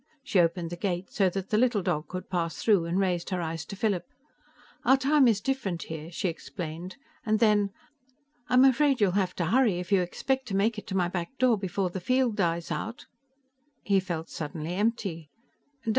She opened the gate so that the little dog could pass through and raised her eyes to Philip. "Our time is different here," she explained. And then, "I'm afraid you'll have to hurry if you expect to make it to my back door before the field dies out." He felt suddenly empty.